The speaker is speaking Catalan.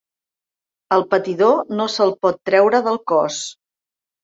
El patidor no se'l pot treure del cos.